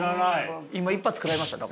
今一発食らいました。